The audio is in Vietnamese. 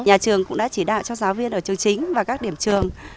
nhà trường cũng đã chỉ đạo cho giáo viên ở trường chính và các điểm trường